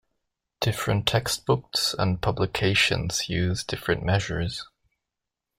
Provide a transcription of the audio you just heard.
Different textbooks and publications use different measures.